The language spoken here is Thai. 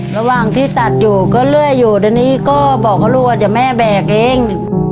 ระหว่างที่ตัดอยู่ก็เรื่อยอยู่ตอนนี้ก็บอกกับลูกว่าเดี๋ยวแม่แบกเอง